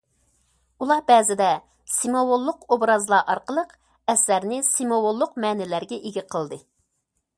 ئۇلار بەزىدە سىمۋوللۇق ئوبرازلار ئارقىلىق ئەسەرنى سىمۋوللۇق مەنىلەرگە ئىگە قىلدى.